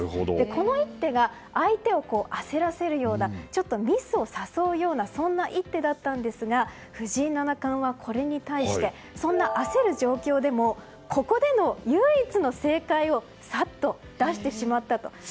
この一手が相手を焦らせるような一手だったんですが藤井七冠は、これに対してそんな焦る状況でもここでの唯一の正解をさっと出してしまったと。